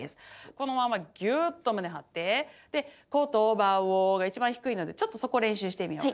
このままぎゅっと胸張ってで「言葉を」が一番低いのでちょっとそこ練習してみようか。